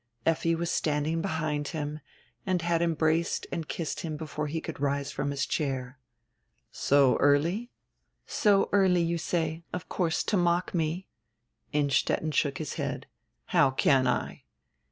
Effi was standing behind him, and had embraced and kissed him before he could rise from his chair. "So early?" "So early, you say. Of course, to mock me." Innstetten shook his head. "How can I?"